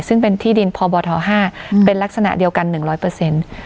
ซึ่งเป็นที่ดินพบห๕เป็นลักษณะเดียวกัน๑๐๐